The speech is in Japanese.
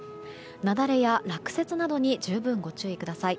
雪崩や落雪などに十分ご注意ください。